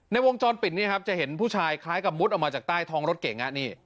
วงจรปิดนี้ครับจะเห็นผู้ชายคล้ายกับมุดออกมาจากใต้ท้องรถเก่ง